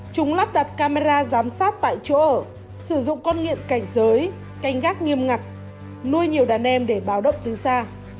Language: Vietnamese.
chúng lắp đặt camera giám sát tại chỗ ở sử dụng con nghiện cảnh giới canh gác nghiêm ngặt nuôi nhiều đàn em để báo động từ xa